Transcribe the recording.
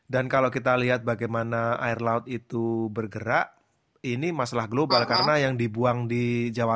dan kalau kita lihat bagaimana air laut itu bergerak ini masalah global karena yang dibuang di jalan jalan